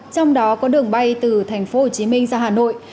trong đó có đường bay từ thành phố hồ chí minh ra hà nội